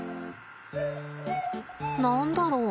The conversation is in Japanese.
何だろう？